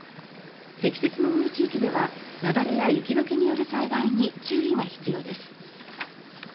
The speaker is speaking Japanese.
積雪の多い地域では雪崩や雪解けによる災害に注意が必要です。